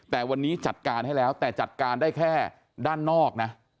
แต่วันนี้จัดการให้แล้วแต่จัดการได้แค่ด้านนอกนะ